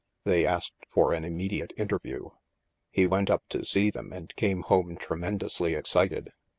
They asked for an immediate interview. He went up to see them and came home tremen dously excited.